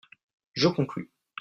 Je conclus.